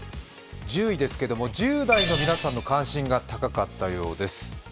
１０位ですけれども、１０代の皆さんの関心が高かったようです。